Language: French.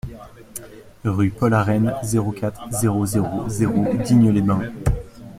Rue Paul Arène, zéro quatre, zéro zéro zéro Digne-les-Bains